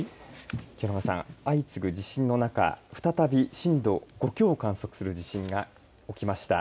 清永さん、相次ぐ地震の中再び震度５強を観測する地震が起きました。